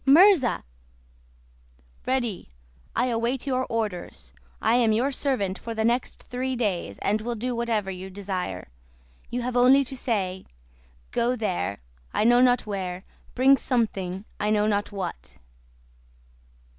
"Murza!" "Ready! I await your orders. I am your servant for the next three days, and will do whatever you desire. You have only to say, 'Go there, I know not where; bring something, I know not what.